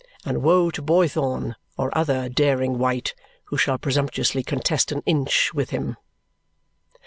And woe to Boythorn or other daring wight who shall presumptuously contest an inch with him!